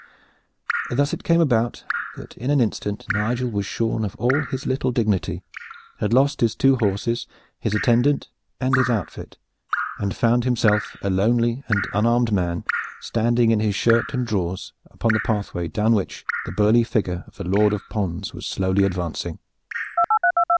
Thus it came about that in an instant Nigel was shorn of all his little dignity, had lost his two horses, his attendant and his outfit, and found himself a lonely and unarmed man standing in his shirt and drawers upon the pathway down which the burly figure of the Lord of Pons was slowly advancing.